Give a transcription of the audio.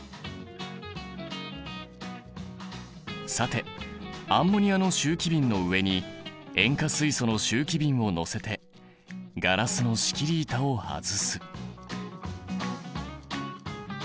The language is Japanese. さてアンモニアの集気びんの上に塩化水素の集気びんを載せてガラスの仕切り板を外す。